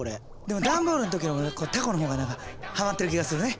でもダンボールの時よりたこの方が何かはまってる気がするね。